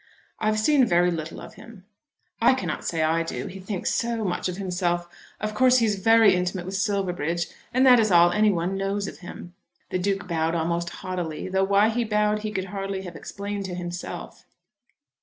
"I have seen very little of him." "I cannot say I do. He thinks so much of himself. Of course he is very intimate with Silverbridge, and that is all that any one knows of him." The Duke bowed almost haughtily, though why he bowed he could hardly have explained to himself.